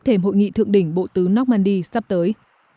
thềm hội nghị thượng đỉnh bộ tứ normandy sắp tới